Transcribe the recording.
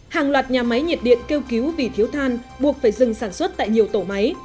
hàng loạt nhà máy nhiệt điện kêu cứu vì thiếu than buộc phải dừng sản xuất tại nhiều tổ máy